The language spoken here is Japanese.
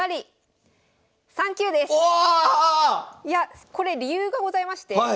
いやこれ理由がございまして。